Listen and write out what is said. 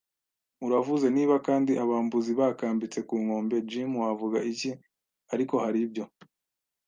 Uravuze. Niba kandi abambuzi bakambitse ku nkombe, Jim, wavuga iki ariko haribyo